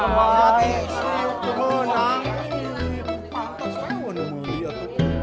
tidak tidak tidak